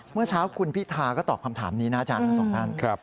เมื่อเช้าคุณพิธาก็ตอบคำถามนี้นะอาจารย์ทั้งสองท่าน